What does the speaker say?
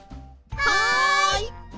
はい！